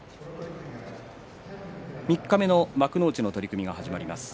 三日目の幕内の取組が始まります。